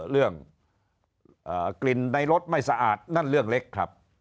เรื่องกลิ่นในรถไม่สะอาดนั่นเรื่องเล็กครับ